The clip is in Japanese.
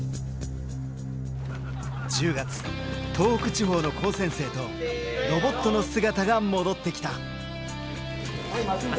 １０月東北地方の高専生とロボットの姿が戻ってきた。